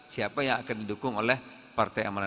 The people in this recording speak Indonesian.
siapa yang akan didukung oleh partai amanat